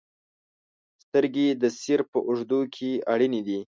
• سترګې د سیر په اوږدو کې اړینې دي.